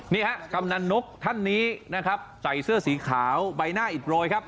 นี่ครับกำนันนกท่านนี้ใส่เสื้อสีขาวใบหน้าอิดบร้อยครับ